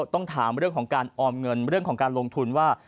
ต้องถามเรื่องของการออมเงินเรื่องของการลงทุนว่า